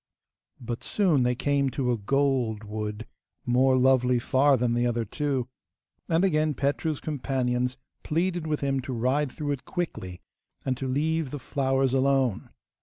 But soon they came to a gold wood more lovely far than the other two, and again Petru's companions pleaded with him to ride through it quickly, and to leave the flowers alone.